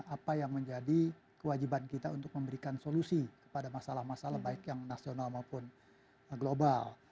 apa yang menjadi kewajiban kita untuk memberikan solusi kepada masalah masalah baik yang nasional maupun global